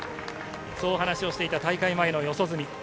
そう話をしていた大会前の四十住。